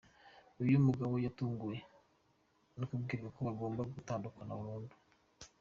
Uyu mugabo yatunguwe no kubwirwa ko bagomba gutandukana burundu.